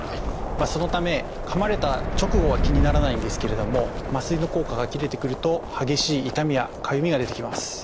そのためかまれた直後は気にならないんですけれども麻酔の効果が切れてくると激しい痛みやかゆみが出てきます。